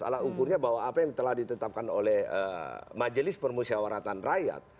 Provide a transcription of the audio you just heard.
salah ukurnya bahwa apa yang telah ditetapkan oleh majelis permusyawaratan rakyat